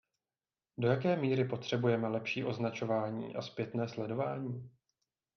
Do jaké míry potřebujeme lepší označování a zpětné sledování?